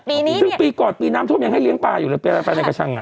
ปีนี้ซึ่งปีก่อนปีน้ำชมยังให้เลี้ยงปลาอยู่ในกระชั่ง